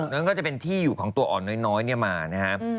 นั่นก็จะเป็นที่อยู่ของตัวอ่อนน้อยมานะครับ